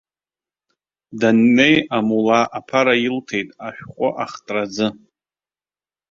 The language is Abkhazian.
Даннеи амула аԥара илҭеит ашәҟәы ахтра азы.